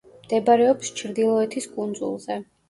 მდებარეობს ჩრდილოეთის კუნძულზე.